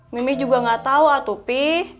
mimih juga tidak tahu atupi